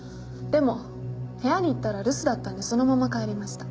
でも部屋に行ったら留守だったんでそのまま帰りました。